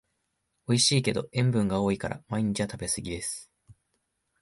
おいしいけど塩分が多いから毎日は食べすぎです